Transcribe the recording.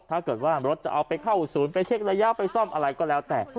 ถ้าเกิดว่ารถจะเอาไปเข้าศูนย์ไปเช็กระยะไปซ่อมอะไรก็แล้วแต่